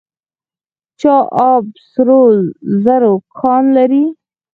چاه اب سرو زرو کان لري؟